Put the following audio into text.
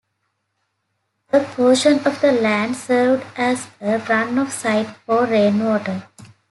A portion of the land served as a run-off site for rainwater.